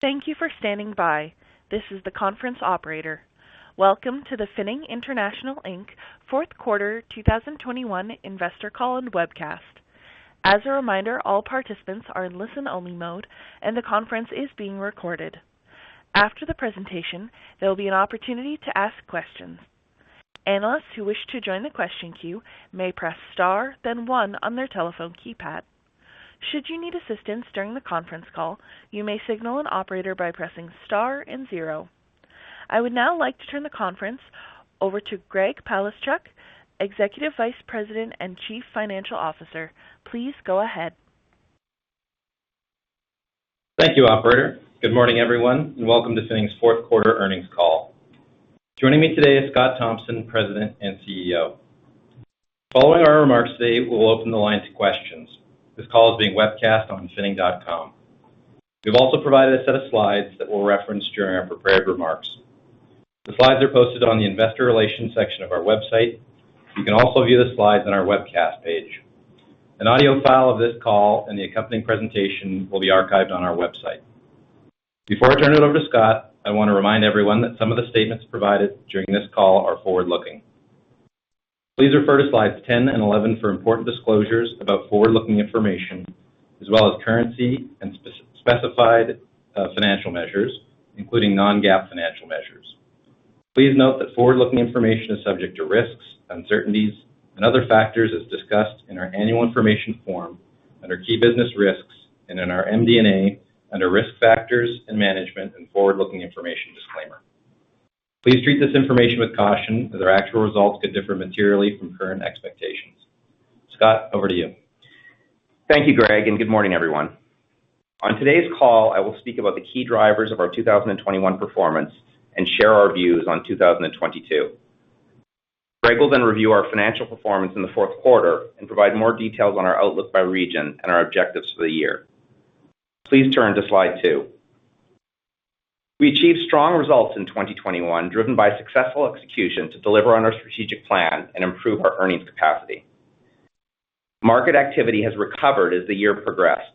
Thank you for standing by. This is the conference operator. Welcome to the Finning International Inc. fourth quarter 2021 investor call and webcast. As a reminder, all participants are in listen-only mode, and the conference is being recorded. After the presentation, there'll be an opportunity to ask questions. Analysts who wish to join the question queue may press Star, then one on their telephone keypad. Should you need assistance during the conference call, you may signal an operator by pressing Star and zero. I would now like to turn the conference over to Greg Palaschuk, Executive Vice President and Chief Financial Officer. Please go ahead. Thank you, operator. Good morning, everyone, and welcome to Finning's fourth quarter earnings call. Joining me today is Scott Thomson, President and CEO. Following our remarks today, we'll open the line to questions. This call is being webcast on finning.com. We've also provided a set of slides that we'll reference during our prepared remarks. The slides are posted on the investor relations section of our website. You can also view the slides on our webcast page. An audio file of this call and the accompanying presentation will be archived on our website. Before I turn it over to Scott, I wanna remind everyone that some of the statements provided during this call are forward-looking. Please refer to slides 10 and 11 for important disclosures about forward-looking information, as well as currency and specified financial measures, including non-GAAP financial measures. Please note that forward-looking information is subject to risks, uncertainties, and other factors as discussed in our annual information form under Key Business Risks and in our MD&A under Risk Factors and Management and Forward-Looking Information Disclaimer. Please treat this information with caution, as our actual results could differ materially from current expectations. Scott, over to you. Thank you, Greg, and good morning, everyone. On today's call, I will speak about the key drivers of our 2021 performance and share our views on 2022. Greg will then review our financial performance in the fourth quarter and provide more details on our outlook by region and our objectives for the year. Please turn to slide two. We achieved strong results in 2021, driven by successful execution to deliver on our strategic plan and improve our earnings capacity. Market activity has recovered as the year progressed.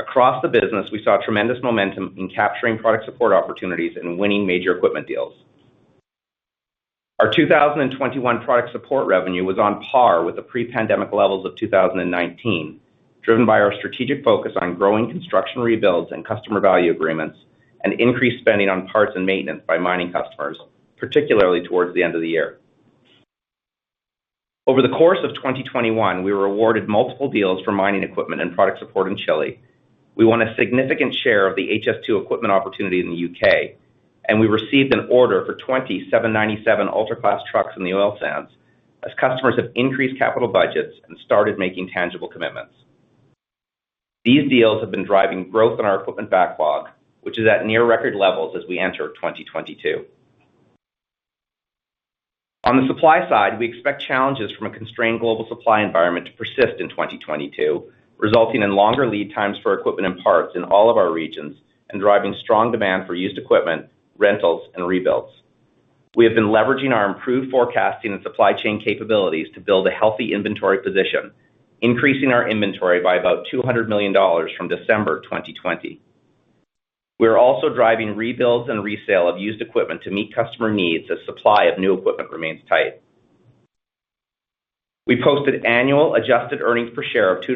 Across the business, we saw tremendous momentum in capturing product support opportunities and winning major equipment deals. Our 2021 product support revenue was on par with the pre-pandemic levels of 2019, driven by our strategic focus on growing construction rebuilds and Customer Value Agreements and increased spending on parts and maintenance by mining customers, particularly towards the end of the year. Over the course of 2021, we were awarded multiple deals for mining equipment and product support in Chile. We won a significant share of the HS2 equipment opportunity in the U.K., and we received an order for 27 797 Ultra-Class trucks in the oil sands as customers have increased capital budgets and started making tangible commitments. These deals have been driving growth in our equipment backlog, which is at near record levels as we enter 2022. On the supply side, we expect challenges from a constrained global supply environment to persist in 2022, resulting in longer lead times for equipment and parts in all of our regions and driving strong demand for used equipment, rentals, and rebuilds. We have been leveraging our improved forecasting and supply chain capabilities to build a healthy inventory position, increasing our inventory by about 200 million dollars from December 2020. We are also driving rebuilds and resale of used equipment to meet customer needs as supply of new equipment remains tight. We posted annual adjusted earnings per share of 2.18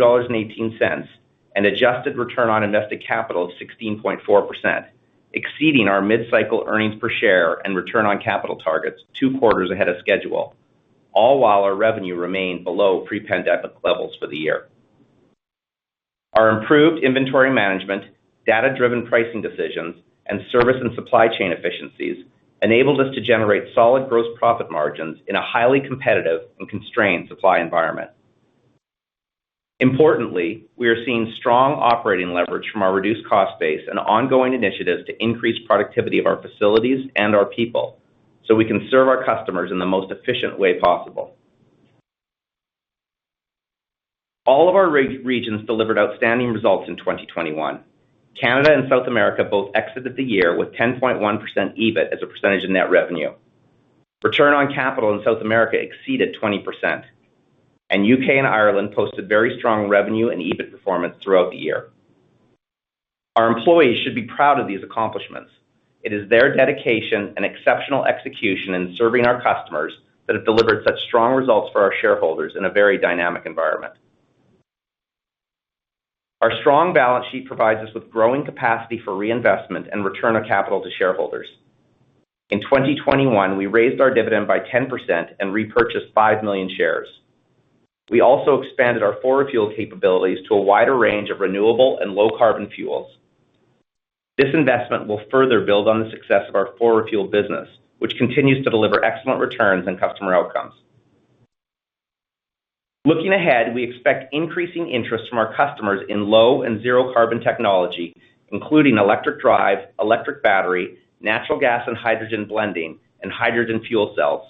dollars and adjusted return on invested capital of 16.4%, exceeding our mid-cycle earnings per share and return on capital targets 2 quarters ahead of schedule, all while our revenue remained below pre-pandemic levels for the year. Our improved inventory management, data-driven pricing decisions, and service and supply chain efficiencies enabled us to generate solid gross profit margins in a highly competitive and constrained supply environment. Importantly, we are seeing strong operating leverage from our reduced cost base and ongoing initiatives to increase productivity of our facilities and our people, so we can serve our customers in the most efficient way possible. All of our regions delivered outstanding results in 2021. Canada and South America both exited the year with 10.1% EBIT as a percentage of net revenue. Return on capital in South America exceeded 20%, and U.K. and Ireland posted very strong revenue and EBIT performance throughout the year. Our employees should be proud of these accomplishments. It is their dedication and exceptional execution in serving our customers that have delivered such strong results for our shareholders in a very dynamic environment. Our strong balance sheet provides us with growing capacity for reinvestment and return of capital to shareholders. In 2021, we raised our dividend by 10% and repurchased 5 million shares. We also expanded our 4Refuel capabilities to a wider range of renewable and low carbon fuels. This investment will further build on the success of our 4Refuel business, which continues to deliver excellent returns and customer outcomes. Looking ahead, we expect increasing interest from our customers in low and zero carbon technology, including electric drive, electric battery, natural gas and hydrogen blending, and hydrogen fuel cells.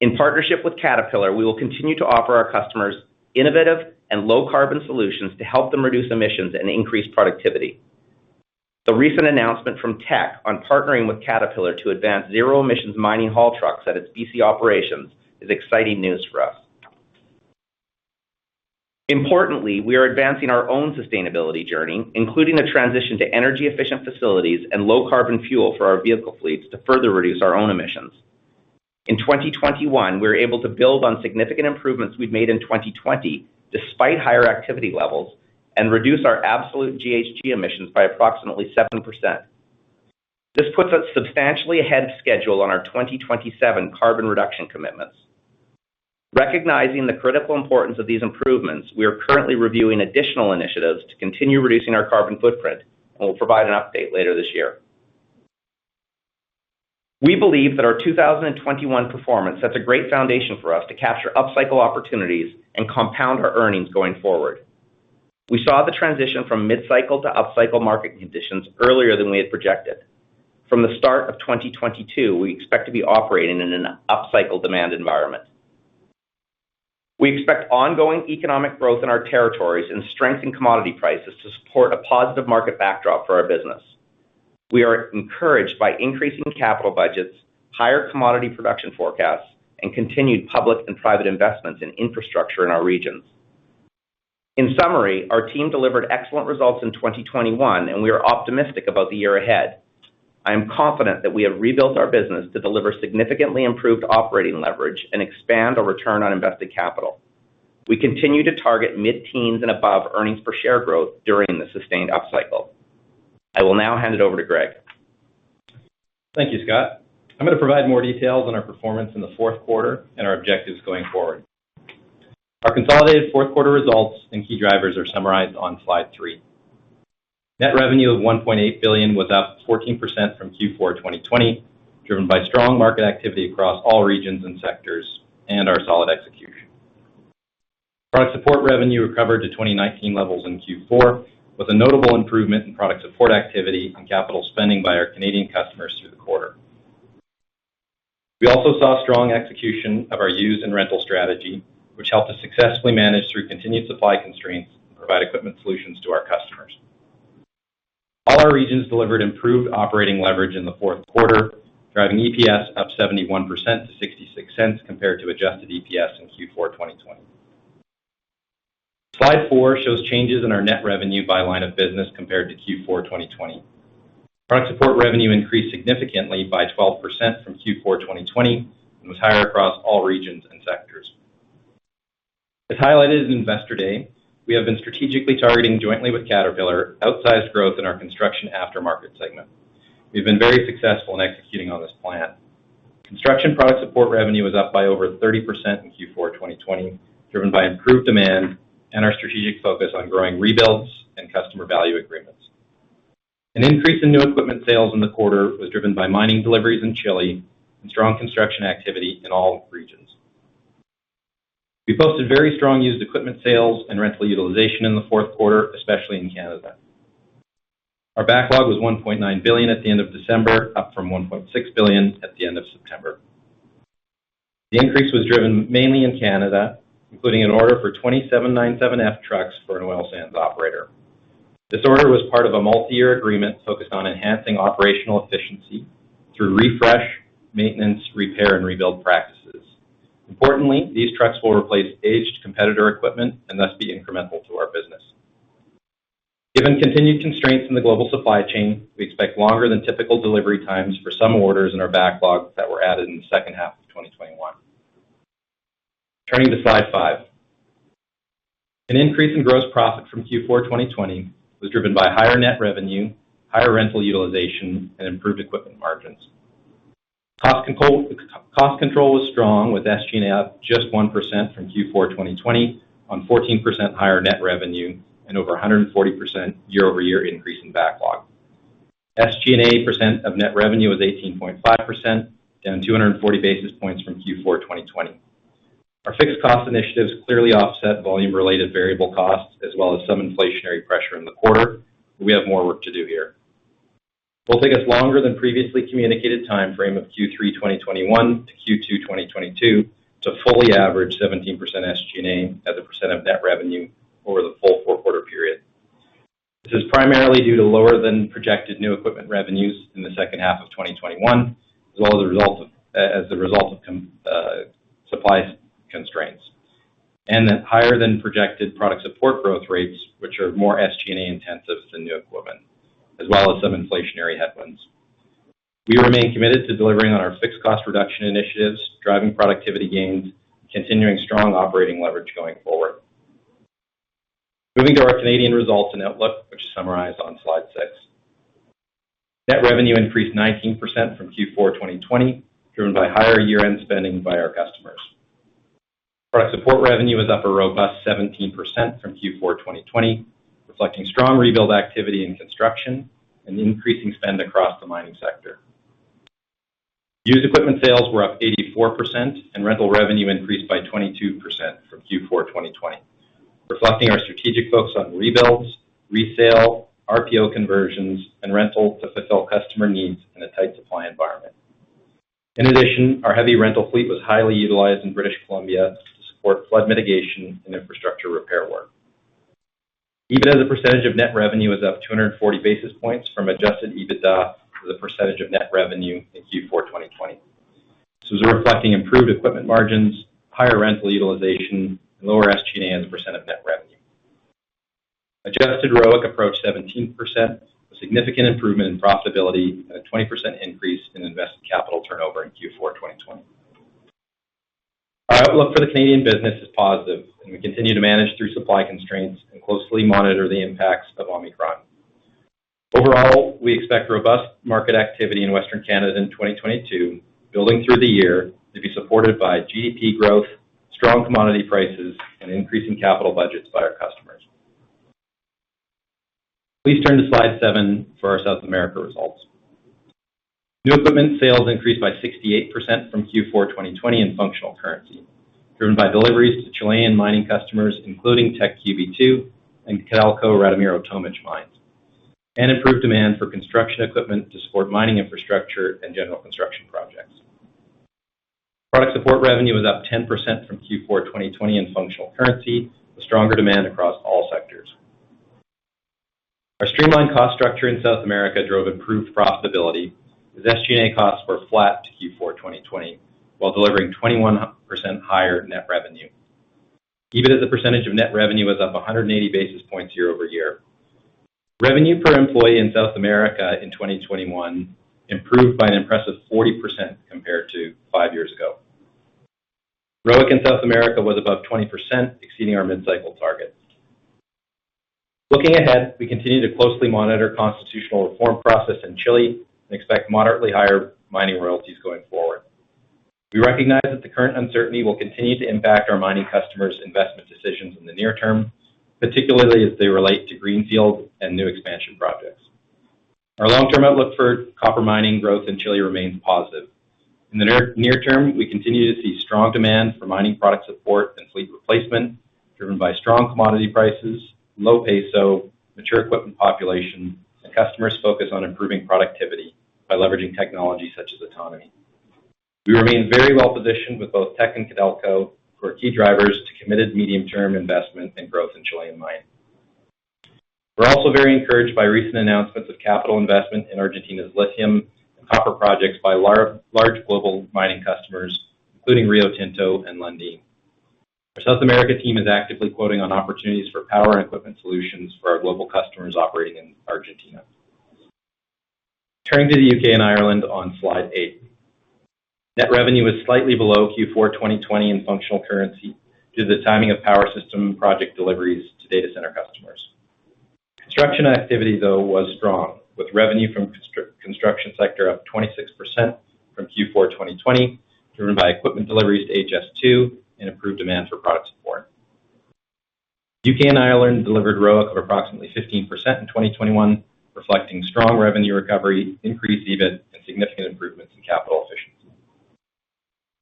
In partnership with Caterpillar, we will continue to offer our customers innovative and low carbon solutions to help them reduce emissions and increase productivity. The recent announcement from Teck on partnering with Caterpillar to advance zero-emissions mining haul trucks at its B.C. operations is exciting news for us. Importantly, we are advancing our own sustainability journey, including the transition to energy efficient facilities and low carbon fuel for our vehicle fleets to further reduce our own emissions. In 2021, we were able to build on significant improvements we've made in 2020 despite higher activity levels, and reduce our absolute GHG emissions by approximately 7%. This puts us substantially ahead of schedule on our 2027 carbon reduction commitments. Recognizing the critical importance of these improvements, we are currently reviewing additional initiatives to continue reducing our carbon footprint, and we'll provide an update later this year. We believe that our 2021 performance sets a great foundation for us to capture upcycle opportunities and compound our earnings going forward. We saw the transition from mid-cycle to upcycle market conditions earlier than we had projected. From the start of 2022, we expect to be operating in an upcycle demand environment. We expect ongoing economic growth in our territories and strength in commodity prices to support a positive market backdrop for our business. We are encouraged by increasing capital budgets, higher commodity production forecasts, and continued public and private investments in infrastructure in our regions. In summary, our team delivered excellent results in 2021, and we are optimistic about the year ahead. I am confident that we have rebuilt our business to deliver significantly improved operating leverage and expand our return on invested capital. We continue to target mid-teens and above earnings per share growth during the sustained upcycle. I will now hand it over to Greg. Thank you, Scott. I'm gonna provide more details on our performance in the fourth quarter and our objectives going forward. Our consolidated fourth quarter results and key drivers are summarized on slide three. Net revenue of 1.8 billion was up 14% from Q4 2020, driven by strong market activity across all regions and sectors, and our solid execution. Product support revenue recovered to 2019 levels in Q4, with a notable improvement in product support activity and capital spending by our Canadian customers through the quarter. We also saw strong execution of our used and rental strategy, which helped us successfully manage through continued supply constraints, and provide equipment solutions to our customers. All our regions delivered improved operating leverage in the fourth quarter, driving EPS up 71% to 0.66 compared to adjusted EPS in Q4 2020. Slide 4 shows changes in our net revenue by line of business compared to Q4 2020. Product support revenue increased significantly by 12% from Q4 2020, and was higher across all regions and sectors. As highlighted in Investor Day, we have been strategically targeting jointly with Caterpillar outsized growth in our construction aftermarket segment. We've been very successful in executing on this plan. Construction product support revenue was up by over 30% in Q4 2020, driven by improved demand and our strategic focus on growing rebuilds and customer value agreements. An increase in new equipment sales in the quarter was driven by mining deliveries in Chile and strong construction activity in all regions. We posted very strong used equipment sales and rental utilization in the fourth quarter, especially in Canada. Our backlog was 1.9 billion at the end of December, up from 1.6 billion at the end of September. The increase was driven mainly in Canada, including an order for 27 797F trucks for an oil sands operator. This order was part of a multi-year agreement focused on enhancing operational efficiency through refresh, maintenance, repair, and rebuild practices. Importantly, these trucks will replace aged competitor equipment and thus be incremental to our business. Given continued constraints in the global supply chain, we expect longer than typical delivery times for some orders in our backlog that were added in the second half of 2021. Turning to slide five. An increase in gross profit from Q4 2020 was driven by higher net revenue, higher rental utilization, and improved equipment margins. Cost control was strong with SG&A up just 1% from Q4 2020 on 14% higher net revenue and over a 140% year-over-year increase in backlog. SG&A percent of net revenue is 18.5%, down 240 basis points from Q4 2020. Our fixed cost initiatives clearly offset volume-related variable costs as well as some inflationary pressure in the quarter, and we have more work to do here. It will take us longer than previously communicated timeframe of Q3 2021 to Q2 2022 to fully average 17% SG&A as a percent of net revenue over the full four-quarter period. This is primarily due to lower than projected new equipment revenues in the second half of 2021, as well as a result of supply constraints, and the higher than projected product support growth rates, which are more SG&A intensive than new equipment, as well as some inflationary headwinds. We remain committed to delivering on our fixed cost reduction initiatives, driving productivity gains, continuing strong operating leverage going forward. Moving to our Canadian results and outlook, which is summarized on slide six. Net revenue increased 19% from Q4 2020, driven by higher year-end spending by our customers. Product support revenue was up a robust 17% from Q4 2020, reflecting strong rebuild activity in construction and increasing spend across the mining sector. Used equipment sales were up 84% and rental revenue increased by 22% from Q4 2020, reflecting our strategic focus on rebuilds, resale, RPO conversions, and rental to fulfill customer needs in a tight supply environment. In addition, our heavy rental fleet was highly utilized in British Columbia to support flood mitigation and infrastructure repair work. EBITDA as a percentage of net revenue is up 240 basis points from adjusted EBITDA as a percentage of net revenue in Q4 2020. This is reflecting improved equipment margins, higher rental utilization, and lower SG&A as a percent of net revenue. Adjusted ROIC approached 17%, a significant improvement in profitability, and a 20% increase in invested capital turnover in Q4 2020. Our outlook for the Canadian business is positive, and we continue to manage through supply constraints and closely monitor the impacts of Omicron. Overall, we expect robust market activity in Western Canada in 2022, building through the year to be supported by GDP growth, strong commodity prices, and increasing capital budgets by our customers. Please turn to slide seven for our South America results. New equipment sales increased by 68% from Q4 2020 in functional currency, driven by deliveries to Chilean mining customers, including Teck QB2 and Codelco Radomiro Tomic mines, and improved demand for construction equipment to support mining infrastructure and general construction projects. Product support revenue was up 10% from Q4 2020 in functional currency, with stronger demand across all sectors. Our streamlined cost structure in South America drove improved profitability, as SG&A costs were flat to Q4 2020 while delivering 21% higher net revenue. EBITDA as a percentage of net revenue was up 180 basis points year-over-year. Revenue per employee in South America in 2021 improved by an impressive 40% compared to five years ago. ROIC in South America was above 20%, exceeding our mid-cycle targets. Looking ahead, we continue to closely monitor constitutional reform process in Chile and expect moderately higher mining royalties going forward. We recognize that the current uncertainty will continue to impact our mining customers' investment decisions in the near term, particularly as they relate to greenfield and new expansion projects. Our long-term outlook for copper mining growth in Chile remains positive. In the near term, we continue to see strong demand for mining product support and fleet replacement, driven by strong commodity prices, low peso, mature equipment population, and customers focused on improving productivity by leveraging technology such as autonomy. We remain very well positioned with both Teck and Codelco, who are key drivers to committed medium-term investment and growth in Chilean mining. We're also very encouraged by recent announcements of capital investment in Argentina's lithium and copper projects by large global mining customers, including Rio Tinto and Lundin. Our South America team is actively quoting on opportunities for power and equipment solutions for our global customers operating in Argentina. Turning to the U.K. and Ireland on slide 8. Net revenue was slightly below Q4 2020 in functional currency due to the timing of power system project deliveries to data center customers. Construction activity, though, was strong, with revenue from construction sector up 26% from Q4 2020, driven by equipment deliveries to HS2 and improved demand for product support. U.K. and Ireland delivered ROIC of approximately 15% in 2021, reflecting strong revenue recovery, increased EBIT, and significant improvements in capital efficiency.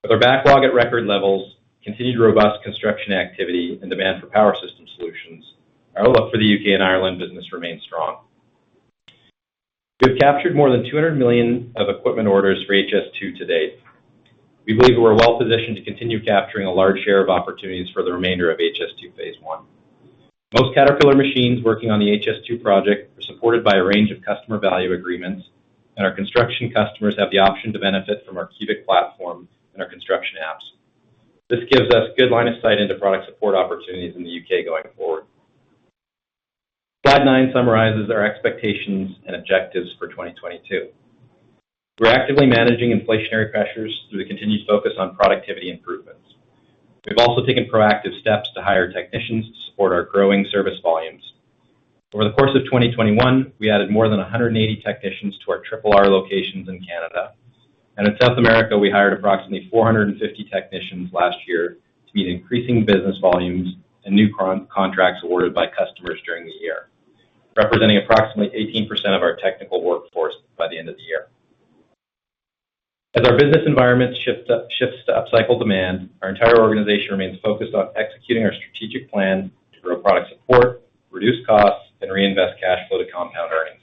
With our backlog at record levels, continued robust construction activity, and demand for power systems solutions, our outlook for the U.K. and Ireland business remains strong. We have captured more than 200 million of equipment orders for HS2 to date. We believe we're well positioned to continue capturing a large share of opportunities for the remainder of HS2 phase one. Most Caterpillar machines working on the HS2 project are supported by a range of Customer Value Agreements, and our construction customers have the option to benefit from our CUBIQ platform and our construction apps. This gives us good line of sight into product support opportunities in the U.K. going forward. Slide 9 summarizes our expectations and objectives for 2022. We're actively managing inflationary pressures through the continued focus on productivity improvements. We've also taken proactive steps to hire technicians to support our growing service volumes. Over the course of 2021, we added more than 180 technicians to our triple R locations in Canada. In South America, we hired approximately 450 technicians last year to meet increasing business volumes and new contracts awarded by customers during the year, representing approximately 18% of our technical workforce by the end of the year. As our business environment shifts to upcycle demand, our entire organization remains focused on executing our strategic plan to grow product support, reduce costs, and reinvest cash flow to compound earnings.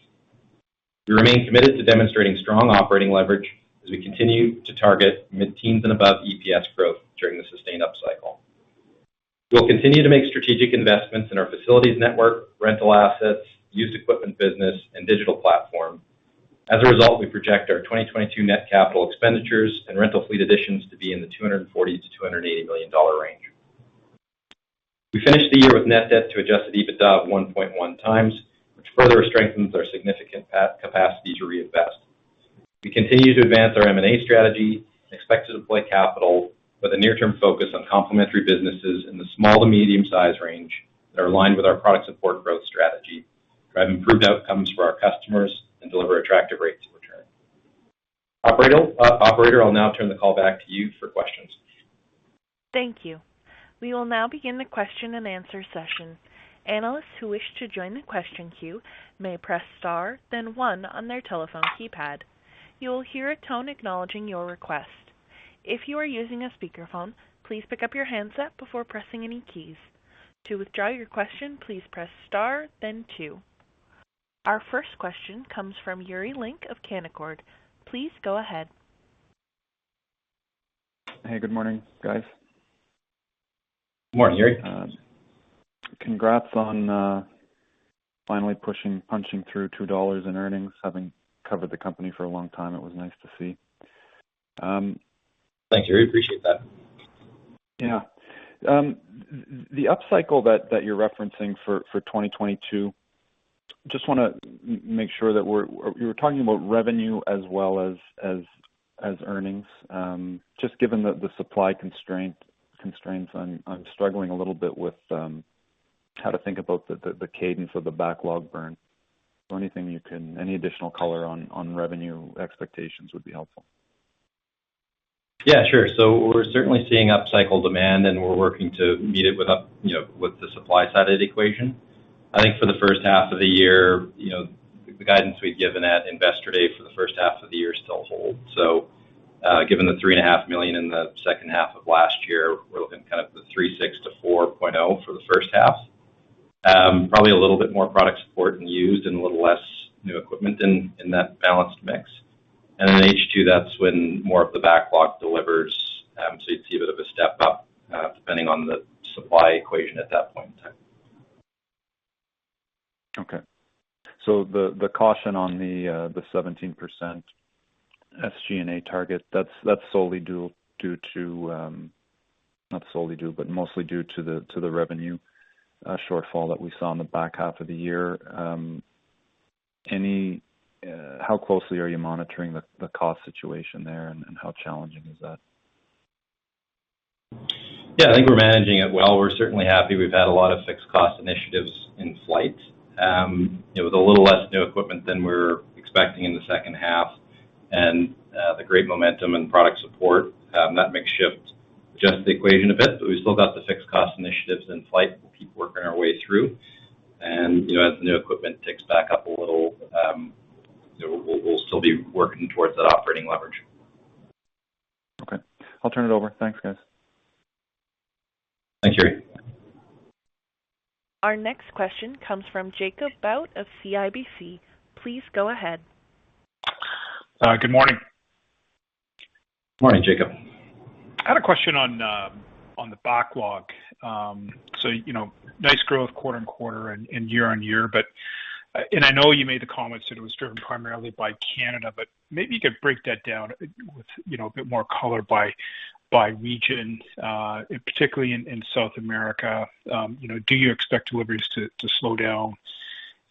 We remain committed to demonstrating strong operating leverage as we continue to target mid-teens and above EPS growth during the sustained upcycle. We'll continue to make strategic investments in our facilities network, rental assets, used equipment business, and digital platform. As a result, we project our 2022 net capital expenditures and rental fleet additions to be in the 240 million-280 million dollar range. We finished the year with net debt to adjusted EBITDA of 1.1 times, which further strengthens our significant capacity to reinvest. We continue to advance our M&A strategy and expect to deploy capital with a near-term focus on complementary businesses in the small to medium size range that are aligned with our product support growth strategy, drive improved outcomes for our customers, and deliver attractive rates of return. Operator, I'll now turn the call back to you for questions. Thank you. We will now begin the question and answer session. Analysts who wish to join the question queue may press star then one on their telephone keypad. You will hear a tone acknowledging your request. If you are using a speakerphone, please pick up your handset before pressing any keys. To withdraw your question, please press star then two. Our first question comes from Yuri Lynk of Canaccord. Please go ahead. Hey, good morning, guys. Morning, Yuri. Congrats on finally punching through $2 in earnings. Having covered the company for a long time, it was nice to see. Thank you. We appreciate that. Yeah. The upcycle that you're referencing for 2022, just wanna make sure you were talking about revenue as well as earnings. Just given the supply constraints, I'm struggling a little bit with how to think about the cadence of the backlog burn. Any additional color on revenue expectations would be helpful. Yeah, sure. We're certainly seeing upcycle demand, and we're working to meet it with, you know, the supply side of the equation. I think for the first half of the year, the guidance we've given at Investor Day for the first half of the year still hold. Given the 3.5 million in the second half of last year, we're looking kind of at 3.6 to 4.0 for the first half. Probably a little bit more product support and used and a little less new equipment in that balanced mix. In H2, that's when more of the backlog delivers, so you'd see a bit of a step up, depending on the supply equation at that point in time. Okay. The caution on the 17% SG&A target, that's solely due, not solely due, but mostly due to the revenue shortfall that we saw in the back half of the year. How closely are you monitoring the cost situation there, and how challenging is that? Yeah, I think we're managing it well. We're certainly happy. We've had a lot of fixed cost initiatives in flight. It was a little less new equipment than we were expecting in the second half. The great momentum in product support that makes it shift to adjust the equation a bit, but we've still got the fixed cost initiatives in flight. We'll keep working our way through. You know, as the new equipment ticks back up a little, you know, we'll still be working towards that operating leverage. Okay. I'll turn it over. Thanks, guys. Thanks, Yuri. Our next question comes from Jacob Bout of CIBC. Please go ahead. Good morning. Morning, Jacob. I had a question on the backlog. You know, nice growth quarter-over-quarter and year-over-year. I know you made the comments that it was driven primarily by Canada, but maybe you could break that down with, you know, a bit more color by region, particularly in South America. You know, do you expect deliveries to slow down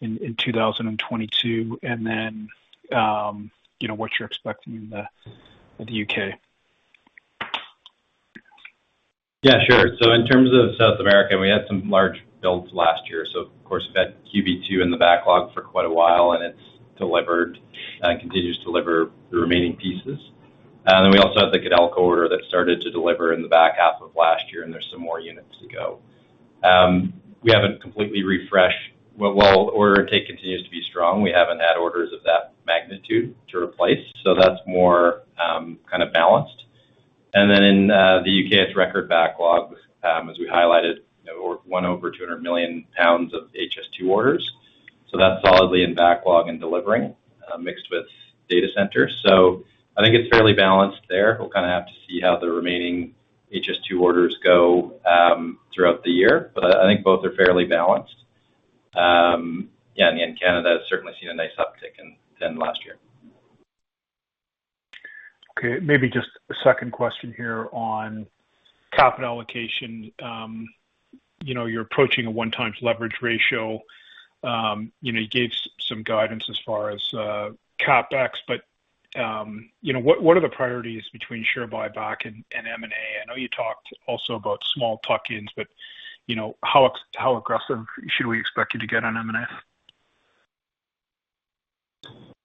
in 2022? You know, what you're expecting in the U.K. Yeah, sure. In terms of South America, we had some large builds last year, so of course we've had QB2 in the backlog for quite a while, and it's delivered and continues to deliver the remaining pieces. Then we also have the Codelco order that started to deliver in the back half of last year, and there's some more units to go. We haven't completely refreshed order intake. Order intake continues to be strong. We haven't had orders of that magnitude to replace, so that's more kind of balanced. Then in the U.K., it's record backlog, as we highlighted, you know, we won over 200 million pounds of HS2 orders. That's solidly in backlog and delivering, mixed with data centers. I think it's fairly balanced there. We'll kind of have to see how the remaining HS2 orders go throughout the year. I think both are fairly balanced. Yeah, Canada has certainly seen a nice uptick in last year. Okay, maybe just a second question here on capital allocation. You know, you're approaching a one times leverage ratio. You know, you gave some guidance as far as CapEx. You know, what are the priorities between share buyback and M&A? I know you talked also about small tuck-ins, but you know, how aggressive should we expect you to get on M&A?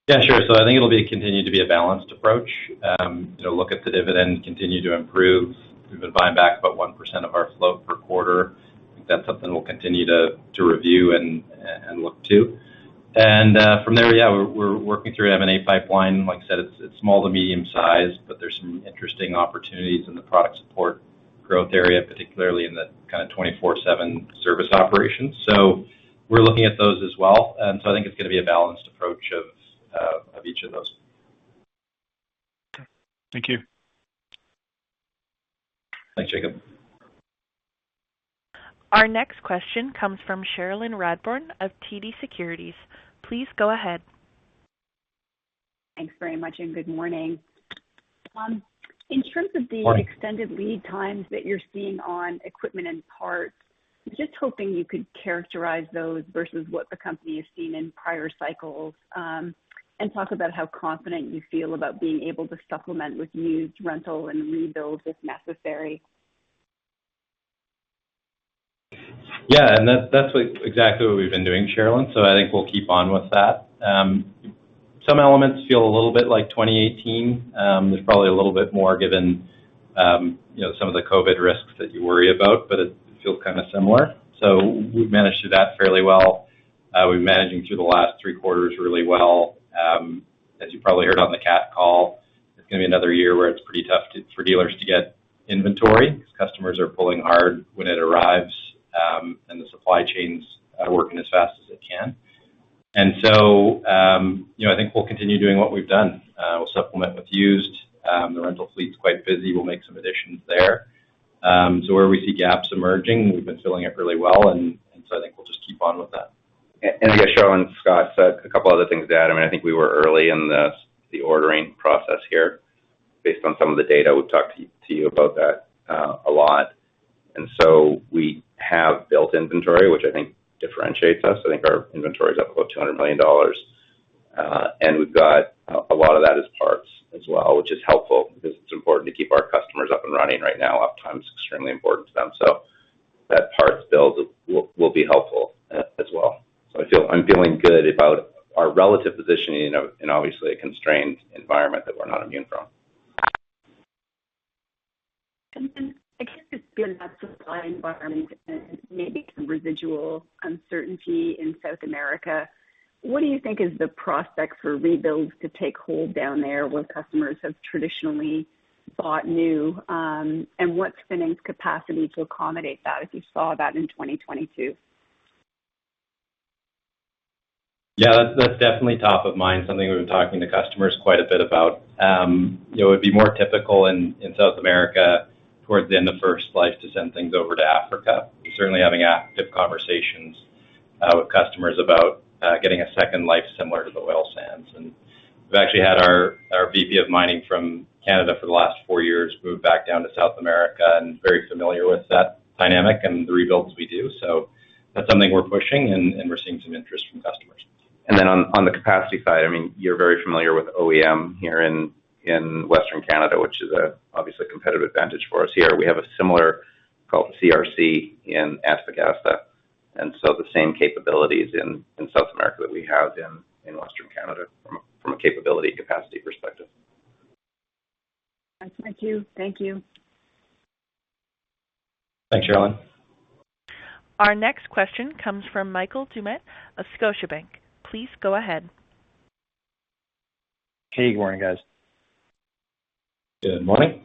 Yeah, sure. I think it'll be continued to be a balanced approach. You know, look at the dividend continue to improve. We've been buying back about 1% of our float per quarter. That's something we'll continue to review and look to. From there, yeah, we're working through M&A pipeline. Like I said, it's small to medium-sized, but there's some interesting opportunities in the product support growth area, particularly in the kinda 24/7 service operations. We're looking at those as well. I think it's gonna be a balanced approach of each of those. Okay. Thank you. Thanks, Jacob. Our next question comes from Cherilyn Radbourne of TD Securities. Please go ahead. Thanks very much, and good morning. In terms of the Morning. Extended lead times that you're seeing on equipment and parts, I'm just hoping you could characterize those versus what the company has seen in prior cycles, and talk about how confident you feel about being able to supplement with used rental and rebuilds if necessary. That's exactly what we've been doing, Cherilyn. I think we'll keep on with that. Some elements feel a little bit like 2018. There's probably a little bit more given, you know, some of the COVID risks that you worry about, but it feels kinda similar. We've managed through that fairly well. We're managing through the last three quarters really well. As you probably heard on the Cat call, it's gonna be another year where it's pretty tough for dealers to get inventory. Customers are pulling hard when it arrives, and the supply chain's working as fast as it can. I think we'll continue doing what we've done. We'll supplement what's used. The rental fleet's quite busy. We'll make some additions there. Where we see gaps emerging, we've been filling it really well, and so I think we'll just keep on with that. Yeah, Sheryl and Scott said a couple other things that, I mean, I think we were early in the ordering process here based on some of the data. We've talked to you about that a lot. We have built inventory, which I think differentiates us. I think our inventory is up about 200 million dollars. We've got a lot of that as parts as well, which is helpful because it's important to keep our customers up and running right now. Uptime is extremely important to them. That parts build will be helpful as well. I'm feeling good about our relative positioning in obviously a constrained environment that we're not immune from. I guess it's been a supply environment and maybe some residual uncertainty in South America. What do you think is the prospect for rebuilds to take hold down there where customers have traditionally bought new, and what's Finning's capacity to accommodate that if you saw that in 2022? Yeah, that's definitely top of mind, something we've been talking to customers quite a bit about. It would be more typical in South America towards the end of first life to send things over to Africa. We're certainly having active conversations with customers about getting a second life similar to the oil sands. We've actually had our VP of mining from Canada for the last four years moved back down to South America and very familiar with that dynamic and the rebuilds we do. That's something we're pushing and we're seeing some interest from customers. On the capacity side, I mean, you're very familiar with OEM here in Western Canada, which is obviously a competitive advantage for us here. We have a similar called CRC in Antofagasta. The same capabilities in South America that we have in Western Canada from a capability capacity perspective. Thank you. Thanks, Sheryl. Our next question comes from Michael Doumet of Scotiabank. Please go ahead. Hey, good morning, guys. Good morning.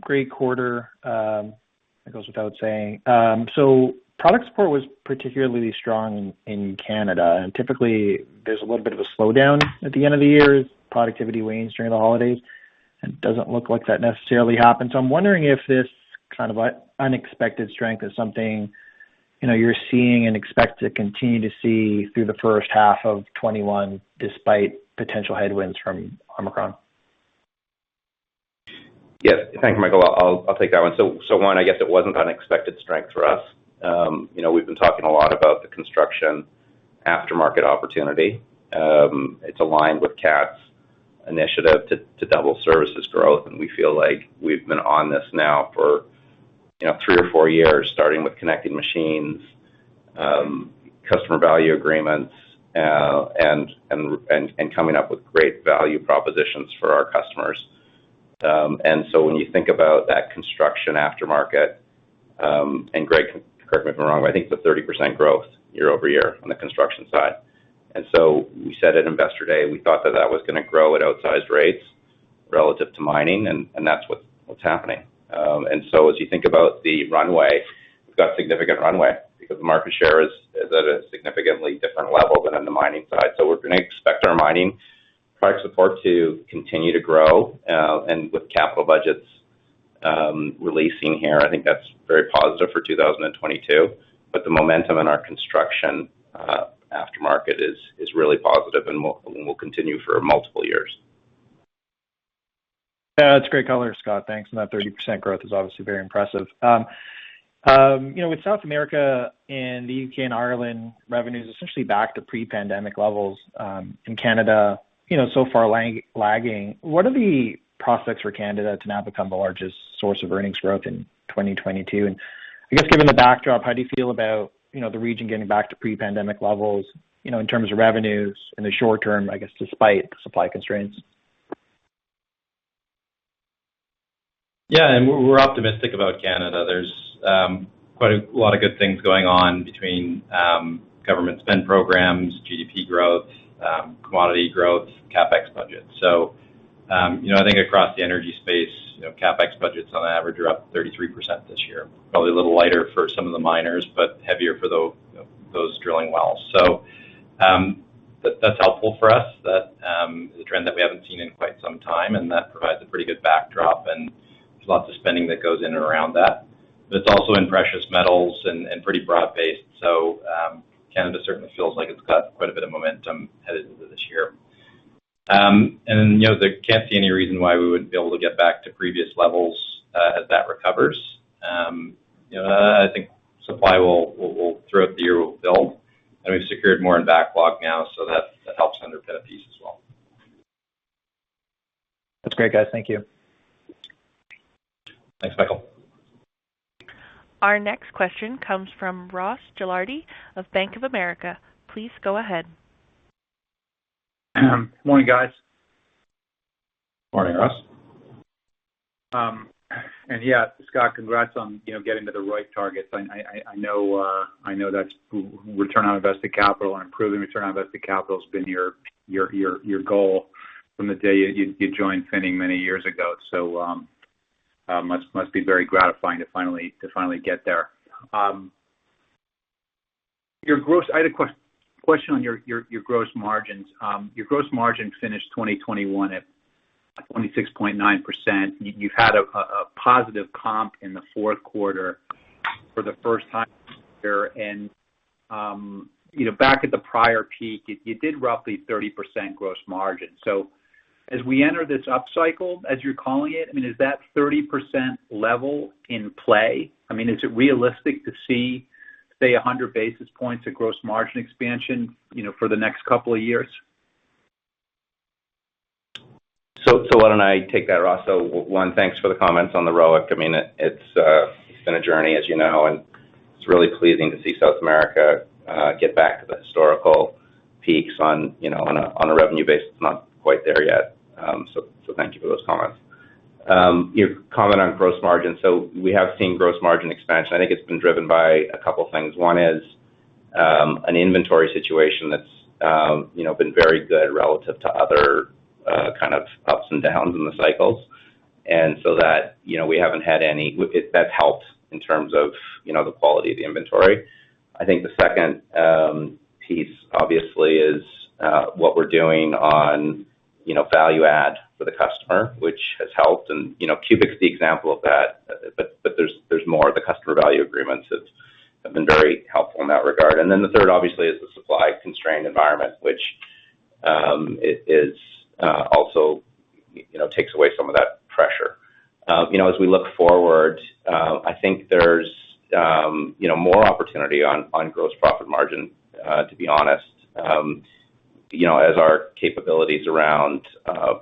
Great quarter, it goes without saying. Product support was particularly strong in Canada, and typically there's a little bit of a slowdown at the end of the year. Productivity wanes during the holidays, and it doesn't look like that necessarily happened. I'm wondering if this kind of unexpected strength is something, you know, you're seeing and expect to continue to see through the first half of 2021 despite potential headwinds from Omicron. Yes. Thanks, Michael. I'll take that one. I guess it wasn't unexpected strength for us. You know, we've been talking a lot about the construction aftermarket opportunity. It's aligned with Cat's initiative to double services growth, and we feel like we've been on this now for, you know, three or four years, starting with connecting machines, Customer Value Agreements, and coming up with great value propositions for our customers. When you think about that construction aftermarket, and Greg, correct me if I'm wrong, but I think the 30% growth year-over-year on the construction side. We said at Investor Day, we thought that was gonna grow at outsized rates relative to mining, and that's what's happening. As you think about the runway, we've got significant runway because the market share is at a significantly different level than on the mining side. We're gonna expect our mining product support to continue to grow. With capital budgets releasing here, I think that's very positive for 2022. The momentum in our construction aftermarket is really positive and will continue for multiple years. Yeah, that's a great color, Scott. Thanks. That 30% growth is obviously very impressive. You know, with South America and the U.K. and Ireland revenues essentially back to pre-pandemic levels, and Canada, you know, so far lagging, what are the prospects for Canada to now become the largest source of earnings growth in 2022? I guess given the backdrop, how do you feel about, you know, the region getting back to pre-pandemic levels, you know, in terms of revenues in the short term, I guess, despite supply constraints? We're optimistic about Canada. There's quite a lot of good things going on between government spend programs, GDP growth, commodity growth, CapEx budgets. You know, I think across the energy space, you know, CapEx budgets on average are up 33% this year. Probably a little lighter for some of the miners, but heavier for those drilling wells. That's helpful for us. That is a trend that we haven't seen in quite some time, and that provides a pretty good backdrop, and there's lots of spending that goes in and around that. It's also in precious metals and pretty broad-based. Canada certainly feels like it's got quite a bit of momentum headed into this year. You know, there can't be any reason why we wouldn't be able to get back to previous levels as that recovers. You know, I think supply will build throughout the year. We've secured more in backlog now, so that helps underpin a piece as well. That's great, guys. Thank you. Thanks, Michael. Our next question comes from Ross Gilardi of Bank of America. Please go ahead. Good morning, guys. Morning, Ross. Yeah, Scott, congrats on, you know, getting to the right targets. I know that's return on invested capital and improving return on invested capital has been your goal from the day you joined Finning many years ago. Must be very gratifying to finally get there. I had a question on your gross margins. Your gross margin finished 2021 at 26.9%. You had a positive comp in the fourth quarter for the first time. You know, back at the prior peak, you did roughly 30% gross margin. As we enter this upcycle, as you're calling it, I mean, is that 30% level in play? I mean, is it realistic to see, say, 100 basis points of gross margin expansion, you know, for the next couple of years? Why don't I take that, Ross? One, thanks for the comments on the ROIC. I mean, it's been a journey, as you know, and it's really pleasing to see South America get back to the historical peaks on a revenue basis. It's not quite there yet. Thank you for those comments. Your comment on gross margin. We have seen gross margin expansion. I think it's been driven by a couple things. One is an inventory situation that's been very good relative to other kind of ups and downs in the cycles. That helped in terms of the quality of the inventory. I think the second piece obviously is what we're doing on, you know, value add for the customer, which has helped. You know, CUBIQ is the example of that. But there's more of the Customer Value Agreements that have been very helpful in that regard. Then the third, obviously, is the supply-constrained environment, which also, you know, takes away some of that pressure. You know, as we look forward, I think there's, you know, more opportunity on gross profit margin to be honest. You know, as our capabilities around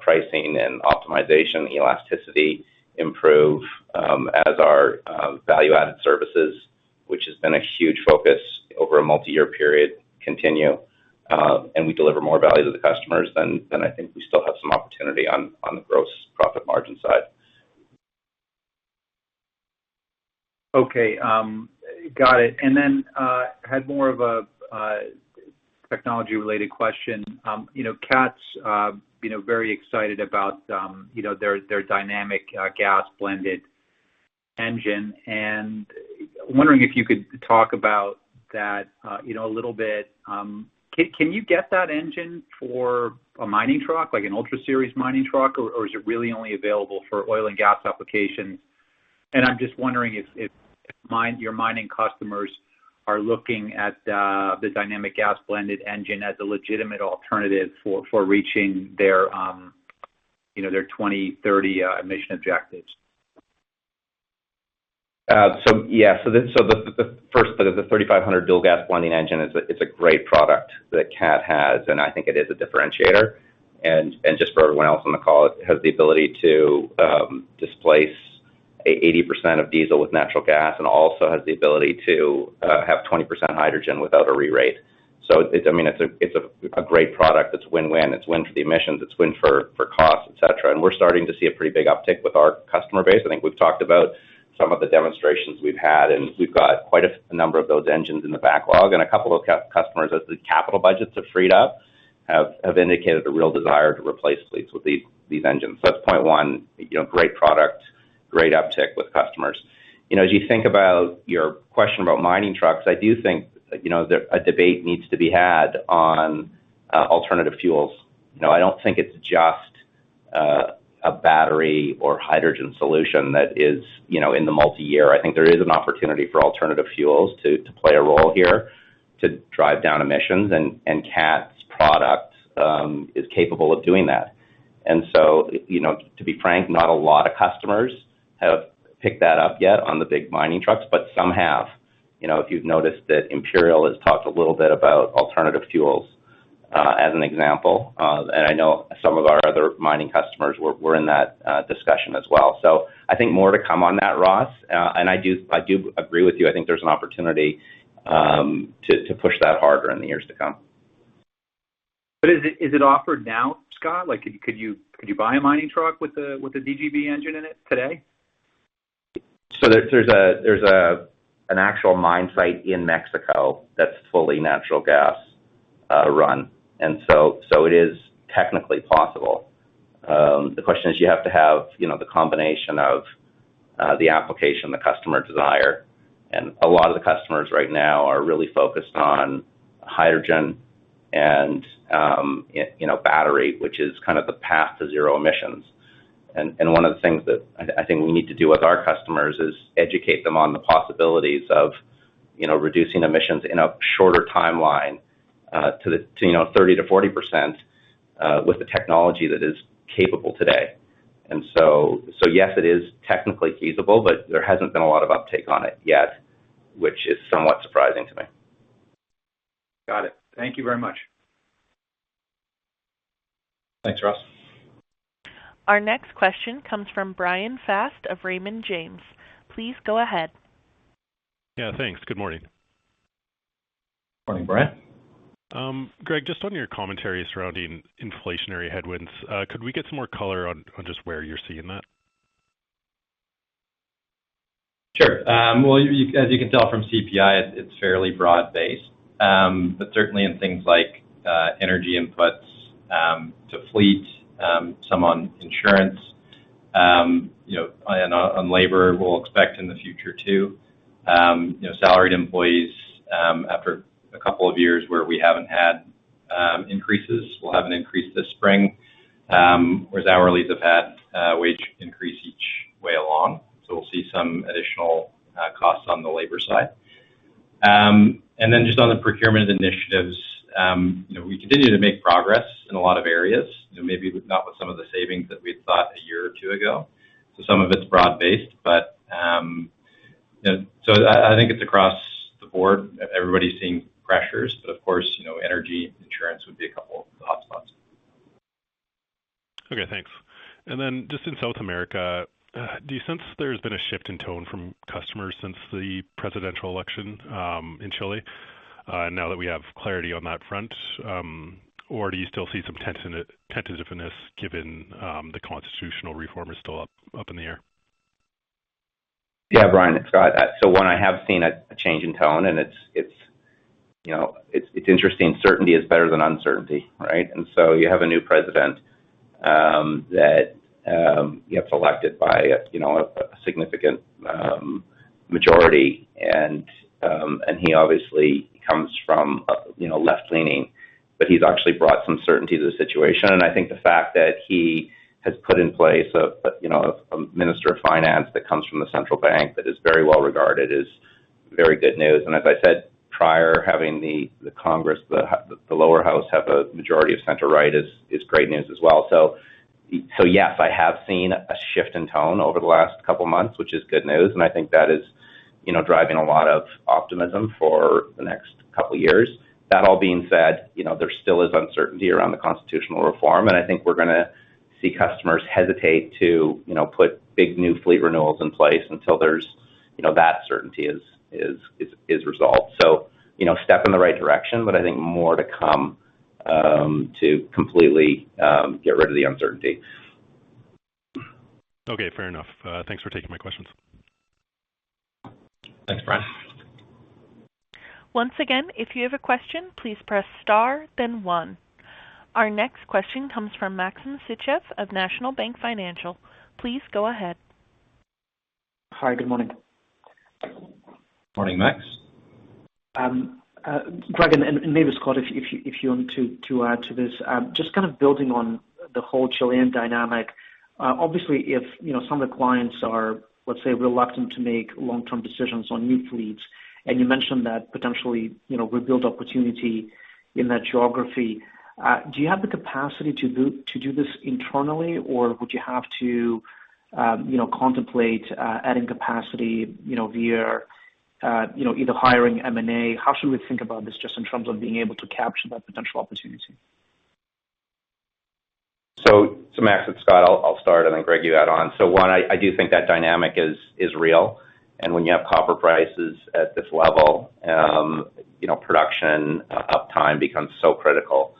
pricing and optimization elasticity improve, as our value-added services, which has been a huge focus over a multi-year period, continue, and we deliver more value to the customers, then I think we still have some opportunity on the gross profit margin side. Okay, got it. Had more of a technology-related question. You know, Cat's very excited about you know, their Dynamic Gas Blending engine. Wondering if you could talk about that, you know, a little bit. Can you get that engine for a mining truck, like an Ultra Class mining truck, or is it really only available for oil and gas applications? I'm just wondering if your mining customers are looking at the Dynamic Gas Blending engine as a legitimate alternative for reaching their, you know, their 2030 emission objectives. The first bit of the 3500 Dynamic Gas Blending engine is a great product that Cat has, and I think it is a differentiator. Just for everyone else on the call, it has the ability to displace 80% of diesel with natural gas, and also has the ability to have 20% hydrogen without a rerate. It's a great product. I mean, it's a great product. It's win-win. It's a win for the emissions. It's a win for costs, et cetera. We're starting to see a pretty big uptick with our customer base. I think we've talked about some of the demonstrations we've had, and we've got quite a number of those engines in the backlog. A couple of customers, as the capital budgets are freed up, have indicated a real desire to replace fleets with these engines. That's point one. You know, great product, great uptick with customers. You know, as you think about your question about mining trucks, I do think, you know, that a debate needs to be had on alternative fuels. You know, I don't think it's just a battery or hydrogen solution that is, you know, in the multi-year. I think there is an opportunity for alternative fuels to play a role here to drive down emissions. And Cat's product is capable of doing that. You know, to be frank, not a lot of customers have picked that up yet on the big mining trucks, but some have. You know, if you've noticed that Imperial has talked a little bit about alternative fuels, as an example. I know some of our other mining customers were in that discussion as well. I think more to come on that, Ross. I do agree with you. I think there's an opportunity to push that harder in the years to come. Is it offered now, Scott? Like, could you buy a mining truck with a DGB engine in it today? There's an actual mine site in Mexico that's fully natural gas run. It is technically possible. The question is, you have to have, you know, the combination of the application the customer desire. A lot of the customers right now are really focused on hydrogen and, you know, battery, which is kind of the path to zero emissions. One of the things that I think we need to do with our customers is educate them on the possibilities of, you know, reducing emissions in a shorter timeline to, you know, 30%-40% with the technology that is capable today. Yes, it is technically feasible, but there hasn't been a lot of uptake on it yet, which is somewhat surprising to me. Got it. Thank you very much. Thanks, Ross. Our next question comes from Bryan Fast of Raymond James. Please go ahead. Yeah, thanks. Good morning. Morning, Bryan. Greg, just on your commentary surrounding inflationary headwinds, could we get some more color on just where you're seeing that? Sure. Well, as you can tell from CPI, it's fairly broad-based. But certainly in things like energy inputs to fleet, some on insurance, you know, and on labor, we'll expect in the future too. You know, salaried employees, after a couple of years where we haven't had increases, we'll have an increase this spring, whereas hourly have had a wage increase each year along. We'll see some additional costs on the labor side. Then just on the procurement initiatives, you know, we continue to make progress in a lot of areas, you know, maybe not with some of the savings that we'd thought a year or two ago. Some of it's broad-based, but I think it's across the board. Everybody's seeing pressures, but of course, you know, energy, insurance would be a couple of the hotspots. Okay, thanks. Just in South America, do you sense there's been a shift in tone from customers since the presidential election in Chile, now that we have clarity on that front, or do you still see some tension, tentativeness given the constitutional reform is still up in the air? Yeah. Bryan, it's Scott. One, I have seen a change in tone, and it's, you know, it's interesting. Certainty is better than uncertainty, right? You have a new president that gets elected by a significant majority. He obviously comes from a left-leaning, but he's actually brought some certainty to the situation. I think the fact that he has put in place a minister of finance that comes from the central bank that is very well regarded is very good news. As I said prior, having the Congress, the lower house have a majority of center right is great news as well. Yes, I have seen a shift in tone over the last couple of months, which is good news, and I think that is, you know, driving a lot of optimism for the next couple of years. That all being said, you know, there still is uncertainty around the constitutional reform, and I think we're gonna see customers hesitate to, you know, put big new fleet renewals in place until there's, you know, that certainty is resolved. You know, step in the right direction, but I think more to come to completely get rid of the uncertainty. Okay. Fair enough. Thanks for taking my questions. Thanks, Bryan. Once again, if you have a question, please press star then one. Our next question comes from Maxim Sytchev of National Bank Financial. Please go ahead. Hi. Good morning. Morning, Max. Greg, and maybe Scott, if you want to add to this. Just kind of building on the whole Chilean dynamic. Obviously, if you know, some of the clients are, let's say, reluctant to make long-term decisions on new fleets, and you mentioned that potentially, you know, rebuild opportunity in that geography. Do you have the capacity to do this internally or would you have to, you know, contemplate adding capacity, you know, via, you know, either hiring M&A? How should we think about this just in terms of being able to capture that potential opportunity? Max, it's Scott. I'll start and then Greg you add on. One, I do think that dynamic is real. When you have copper prices at this level, you know, production uptime becomes so critical.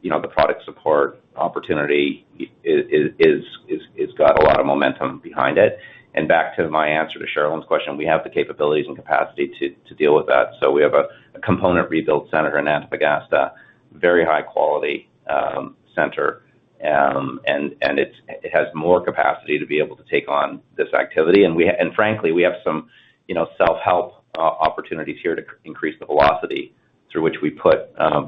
You know, the product support opportunity has got a lot of momentum behind it. Back to my answer to Sheryl's question, we have the capabilities and capacity to deal with that. We have a component rebuild center in Antofagasta, very high quality center. It has more capacity to be able to take on this activity. Frankly, we have some, you know, self-help opportunities here to increase the velocity through which we put,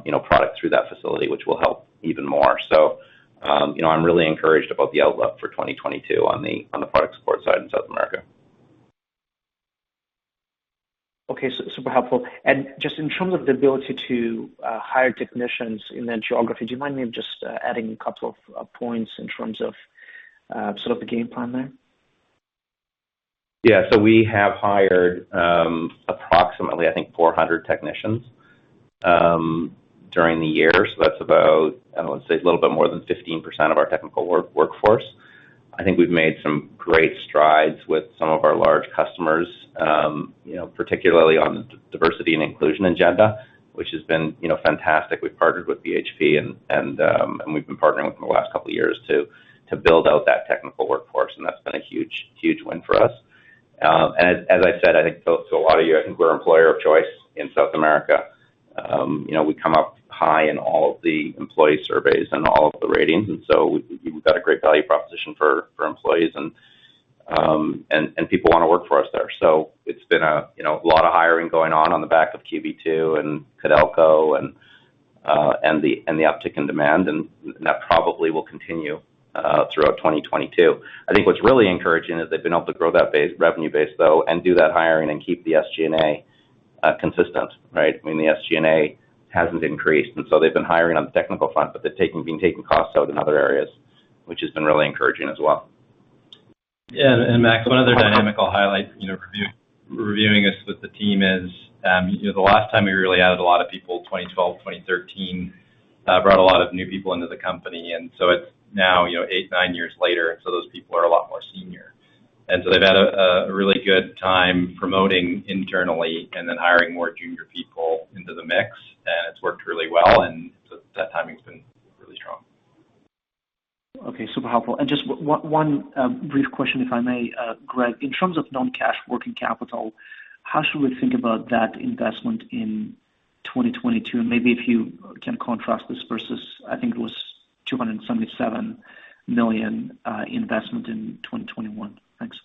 you know, product through that facility, which will help even more. You know, I'm really encouraged about the outlook for 2022 on the product support side in South America. Okay. Super helpful. Just in terms of the ability to hire technicians in that geography, do you mind me just adding a couple of points in terms of sort of the game plan there? Yeah. We have hired, approximately, I think, 400 technicians, during the year. That's about, I wanna say, a little bit more than 15% of our technical workforce. I think we've made some great strides with some of our large customers, you know, particularly on diversity and inclusion agenda, which has been, you know, fantastic. We've partnered with BHP and we've been partnering with them the last couple of years to build out that technical workforce, and that's been a huge win for us. As I said, I think to a lot of you, I think we're employer of choice in South America. You know, we come up high in all of the employee surveys and all of the ratings, and so we've got a great value proposition for employees and people wanna work for us there. It's been a lot of hiring going on on the back of QB2 and Codelco and the uptick in demand, and that probably will continue throughout 2022. I think what's really encouraging is they've been able to grow that revenue base though and do that hiring and keep the SG&A consistent, right? I mean, the SG&A hasn't increased, and so they've been hiring on the technical front, but they're been taking costs out in other areas, which has been really encouraging as well. Max, one other dynamic I'll highlight, you know, reviewing this with the team is, you know, the last time we really added a lot of people, 2012, 2013, brought a lot of new people into the company. It's now, you know, eight, nine years later, so those people are a lot more senior. They've had a really good time promoting internally and then hiring more junior people into the mix, and it's worked really well. That timing's been Okay, super helpful. Just one brief question, if I may, Greg. In terms of non-cash working capital, how should we think about that investment in 2022? Maybe if you can contrast this versus, I think, it was 277 million investment in 2021. Thanks.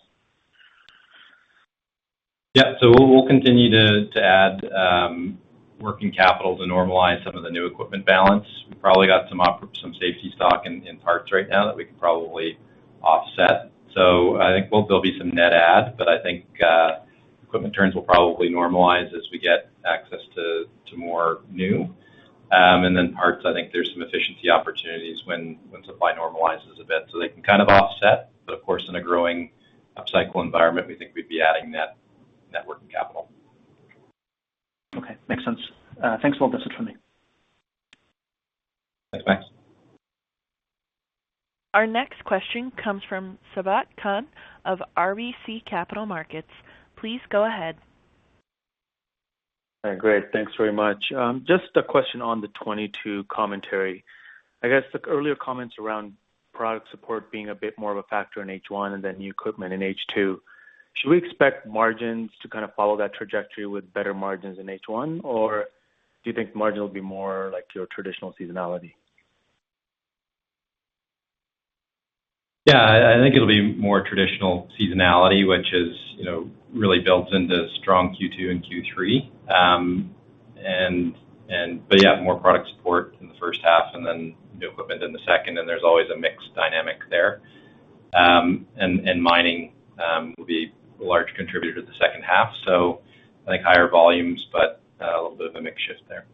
We'll continue to add working capital to normalize some of the new equipment balance. We probably got some safety stock in parts right now that we can probably offset. I think we'll still be some net add, but I think equipment turns will probably normalize as we get access to more new. Then parts, I think there's some efficiency opportunities when supply normalizes a bit, so they can kind of offset. Of course, in a growing upcycle environment, we think we'd be adding net working capital. Okay. Makes sense. Thanks. Well, that's it for me. Thanks, Max. Our next question comes from Sabahat Khan of RBC Capital Markets. Please go ahead. Great. Thanks very much. Just a question on the 22 commentary. I guess the earlier comments around product support being a bit more of a factor in H1 and then new equipment in H2, should we expect margins to kind of follow that trajectory with better margins in H1? Or do you think margin will be more like your traditional seasonality? Yeah. I think it'll be more traditional seasonality, which is, you know, really built into strong Q2 and Q3. Yeah, more product support in the first half, and then new equipment in the second, and there's always a mix dynamic there. Mining will be a large contributor to the second half. I think higher volumes, but a little bit of a mix shift there.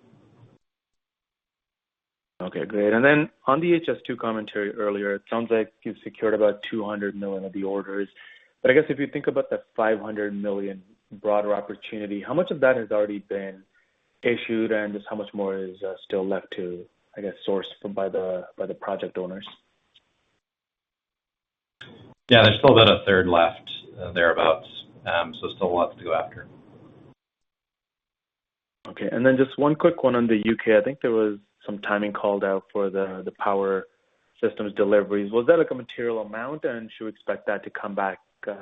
Okay, great. Then on the HS2 commentary earlier, it sounds like you've secured about 200 million of the orders. I guess if you think about the 500 million broader opportunity, how much of that has already been issued, and just how much more is still left to, I guess, source from by the project owners? Yeah. There's still about a third left thereabouts. Still lots to go after. Okay. Just one quick one on the U.K. I think there was some timing called out for the power systems deliveries. Was that like a material amount, and should we expect that to come back,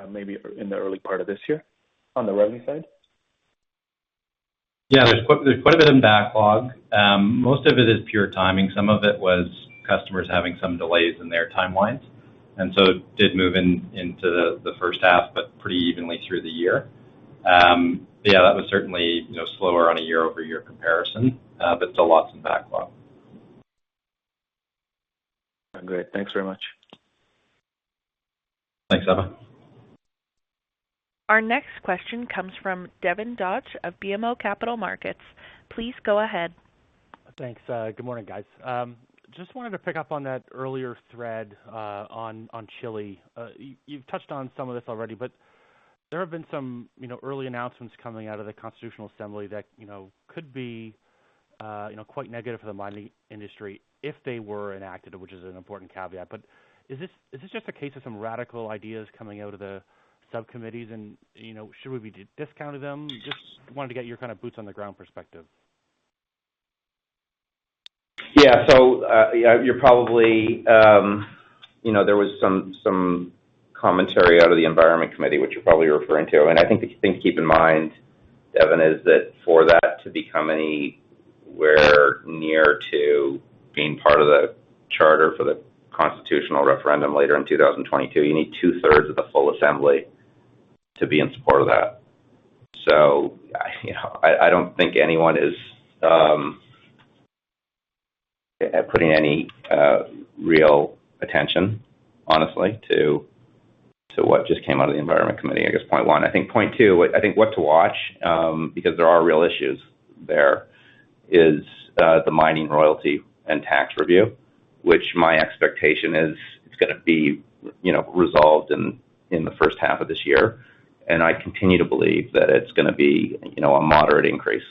maybe in the early part of this year on the revenue side? Yeah. There's quite a bit in backlog. Most of it is pure timing. Some of it was customers having some delays in their timelines. It did move in, into the first half, but pretty evenly through the year. Yeah, that was certainly, you know, slower on a year-over-year comparison, but still lots in backlog. Great. Thanks very much. Thanks, Sabahat. Our next question comes from Devin Dodge of BMO Capital Markets. Please go ahead. Thanks. Good morning, guys. Just wanted to pick up on that earlier thread on Chile. You've touched on some of this already, but there have been some, you know, early announcements coming out of the constitutional assembly that, you know, could be, you know, quite negative for the mining industry if they were enacted, which is an important caveat. Is this just a case of some radical ideas coming out of the subcommittees and, you know, should we be discounting them? Just wanted to get your kind of boots-on-the-ground perspective. You know, there was some commentary out of the environment committee, which you're probably referring to. I think the thing to keep in mind, Devin, is that for that to become anywhere near to being part of the charter for the constitutional referendum later in 2022, you need two-thirds of the full assembly to be in support of that. You know, I don't think anyone is putting any real attention honestly to what just came out of the environment committee, I guess point one. I think point two, I think what to watch, because there are real issues there, is the mining royalty and tax review, which my expectation is it's gonna be, you know, resolved in the first half of this year. I continue to believe that it's gonna be, you know, a moderate increase.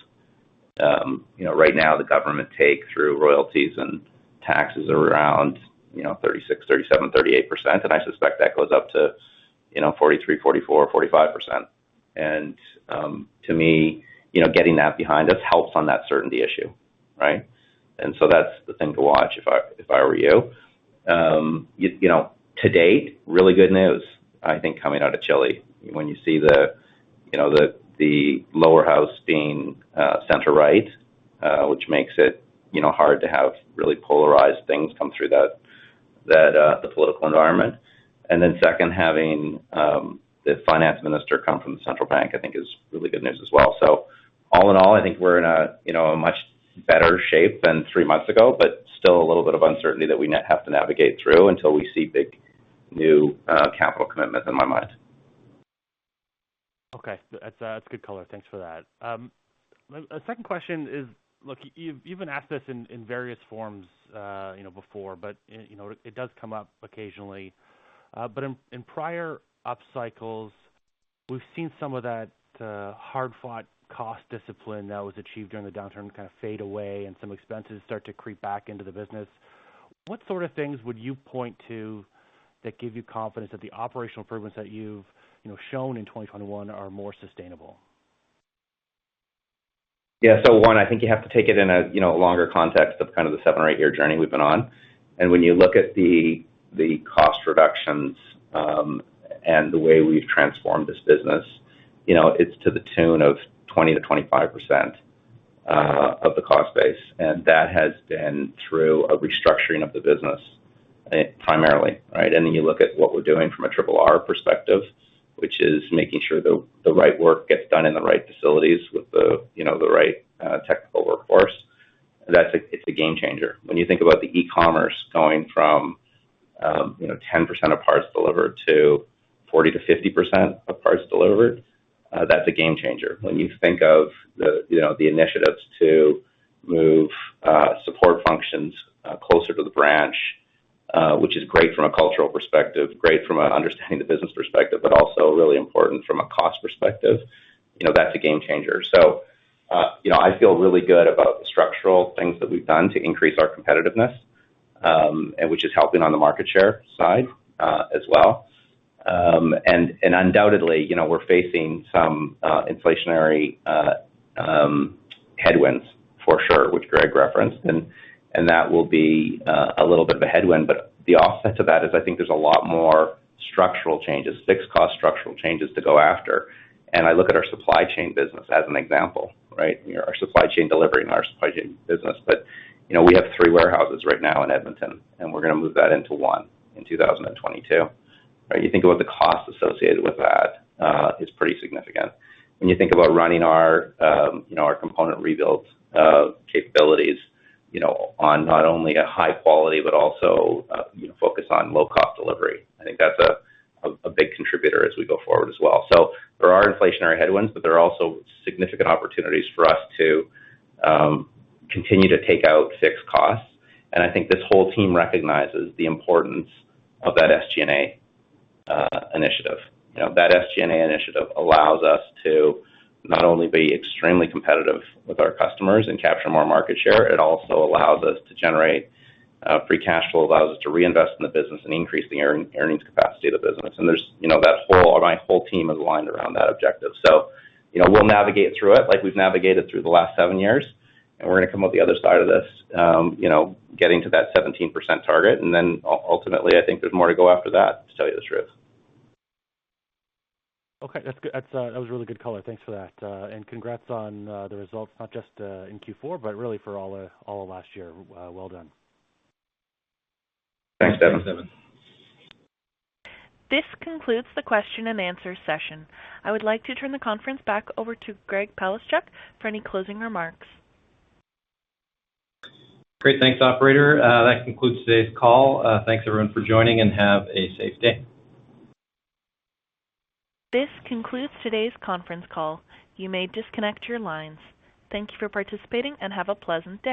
You know, right now the government take through royalties and taxes are around, you know, 36%-38%, and I suspect that goes up to, you know, 43%-45%. To me, you know, getting that behind us helps on that certainty issue, right? That's the thing to watch if I were you. You know, to date, really good news, I think, coming out of Chile. When you see the lower house being center right, which makes it, you know, hard to have really polarized things come through that the political environment. Then second, having the finance minister come from the central bank, I think, is really good news as well. All in all, I think we're in a, you know, a much better shape than three months ago, but still a little bit of uncertainty that we have to navigate through until we see big new capital commitments in my mind. Okay. That's good color. Thanks for that. A second question is. Look, you've been asked this in various forms, you know, before, but you know, it does come up occasionally. In prior upcycles, we've seen some of that hard-fought cost discipline that was achieved during the downturn kind of fade away and some expenses start to creep back into the business. What sort of things would you point to that give you confidence that the operational improvements that you've, you know, shown in 2021 are more sustainable? Yeah. One, I think you have to take it in a, you know, longer context of kind of the seven- or eight-year journey we've been on. When you look at the cost reductions and the way we've transformed this business, you know, it's to the tune of 20%-25% of the cost base. That has been through a restructuring of the business, primarily, right? Then you look at what we're doing from a 3R perspective, which is making sure the right work gets done in the right facilities with the, you know, the right technical workforce. That's a game changer. When you think about the e-commerce going from, you know, 10% of parts delivered to 40%-50% of parts delivered, that's a game changer. When you think of the initiatives to move support functions closer to the branch, which is great from a cultural perspective, great from an understanding of the business perspective, but also really important from a cost perspective, you know, that's a game changer. You know, I feel really good about the structural things that we've done to increase our competitiveness, and which is helping on the market share side, as well. Undoubtedly, you know, we're facing some inflationary headwinds for sure, which Greg referenced, and that will be a little bit of a headwind. The offset to that is I think there's a lot more structural changes, fixed cost structural changes to go after. I look at our supply chain business as an example, right? You know, our supply chain delivery and our supply chain business. You know, we have three warehouses right now in Edmonton, and we're gonna move that into one in 2022, right? You think about the cost associated with that is pretty significant. When you think about running our, you know, our component rebuild capabilities, you know, on not only a high quality but also, you know, focus on low-cost delivery. I think that's a big contributor as we go forward as well. There are inflationary headwinds, but there are also significant opportunities for us to continue to take out fixed costs. I think this whole team recognizes the importance of that SG&A initiative. You know, that SG&A initiative allows us to not only be extremely competitive with our customers and capture more market share. It also allows us to generate free cash flow, allows us to reinvest in the business and increase the earnings capacity of the business. You know, my whole team is aligned around that objective. You know, we'll navigate through it like we've navigated through the last seven years, and we're gonna come out the other side of this, getting to that 17% target. Then ultimately, I think there's more to go after that, to tell you the truth. Okay. That's good. That was a really good color. Thanks for that. Congrats on the results, not just in Q4, but really for all of last year. Well done. Thanks, Devin. This concludes the question and answer session. I would like to turn the conference back over to Greg Palaschuk for any closing remarks. Great. Thanks, operator. That concludes today's call. Thanks everyone for joining, and have a safe day. This concludes today's conference call. You may disconnect your lines. Thank you for participating, and have a pleasant day.